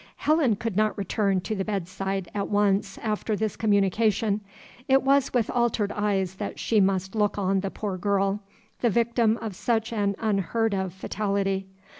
Helen could not return to the bedside at once after this communication. It was with altered eyes that she must look on the poor girl, the victim of such an unheard of fatality.